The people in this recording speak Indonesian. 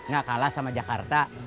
gak kalah sama jakarta